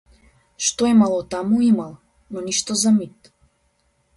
Што имало таму, имало, но ништо за мит.